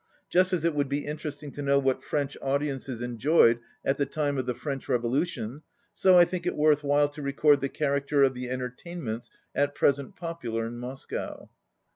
Just as it would be interesting to know what French audiences en joyed at the time of the French revolution, so I think it worth while to record the character of the entertainments at present popular in Moscow.